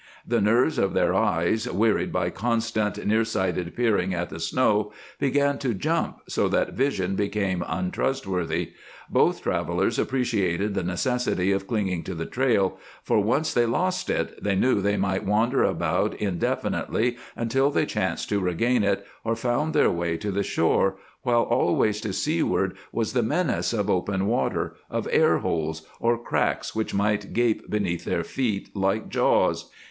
The nerves of their eyes, wearied by constant near sighted peering at the snow, began to jump so that vision became untrustworthy. Both travelers appreciated the necessity of clinging to the trail, for, once they lost it, they knew they might wander about indefinitely until they chanced to regain it or found their way to the shore, while always to seaward was the menace of open water, of air holes, or cracks which might gape beneath their feet like jaws.